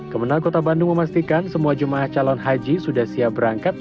kemenang kota bandung memastikan semua jemaah calon haji sudah siap berangkat